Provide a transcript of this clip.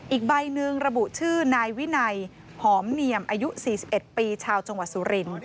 อีกใบหนึ่งระบุชื่อนายวินัยหอมเนียมอายุ๔๑ปีชาวจังหวัดสุรินทร์